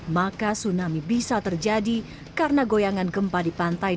maka tsunami bisa terjadi karena goyangan gempa di pantai